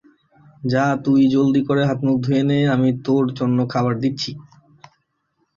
যা তুই জলদি করে হাত মুখ ধুয়ে নে, আমি তোর জন্য খাবার দিচ্ছি।